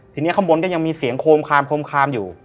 ทีนี้ข้างบนก็ยังมีเสียงโคมคามอยู่